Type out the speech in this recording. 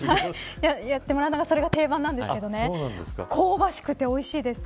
やってもらうのが定番なんですけど香ばしくて、おいしいです。